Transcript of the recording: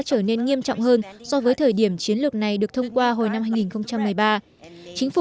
trở nên nghiêm trọng hơn so với thời điểm chiến lược này được thông qua hồi năm hai nghìn một mươi ba chính phủ